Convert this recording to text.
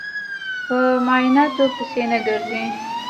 په معنوياتو پسې نه ګرځي.